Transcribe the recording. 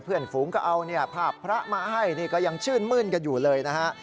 เพื่อนฝูงก็เอาผ้าพระมาให้ก็ยังชื่นมื้นกันอยู่เลยนะฮะ